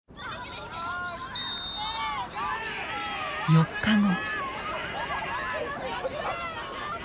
４日後。